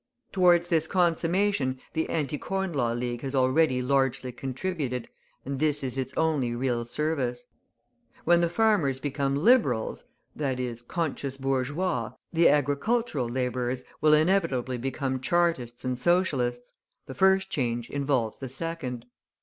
Towards this consummation the Anti Corn Law League has already largely contributed, and this is its only real service. When the farmers become Liberals, i.e., conscious bourgeois, the agricultural labourers will inevitably become Chartists and Socialists; the first change involves the second.